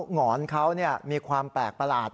หงอนเขาเนี่ยมีความแปลกประหลาด